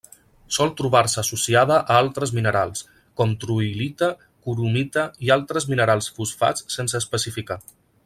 Sol trobar-se associada a altres minerals com: troilita, cromita i altres minerals fosfats sense especificar.